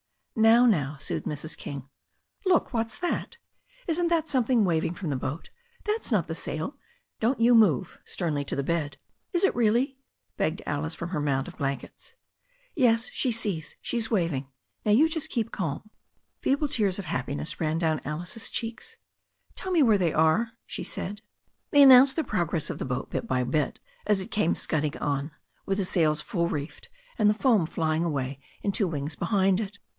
"Now, now," soothed Mrs. King. "Look, what's that? Isn't that something waving from the boat? That's not the sail. Don't you move," sternly to the bed. 'Is it really?" begged Alice from her mound of blankets. ^Yes, she sees. She's waving. Now just you keep calm." Feeble tears of happiness ran down Alice's cheeks. "Tell me where they are," she said. They announced the progress of the boat bit by bit as it came scudding on, with the sails full reefed and the foam flying away in two wings behind it.